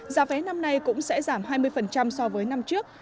giá vé năm nay cũng sẽ giảm hai mươi so với năm trước